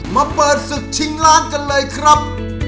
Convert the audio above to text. มาเปิดศึกชิงล้านกันเลยครับ